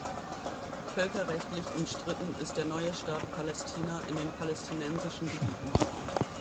Völkerrechtlich umstritten ist der neue Staat Palästina in den palästinensischen Gebieten.